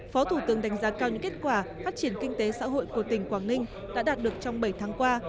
phó thủ tướng đánh giá cao những kết quả phát triển kinh tế xã hội của tỉnh quảng ninh đã đạt được trong bảy tháng qua